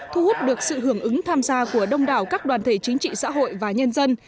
thu hút được sự hưởng ứng tham gia của đông đảo các đoàn thể chính trị xã hội và nhân dân